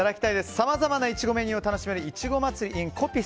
さまざまなイチゴメニューを楽しめるいちごまつりｉｎコピス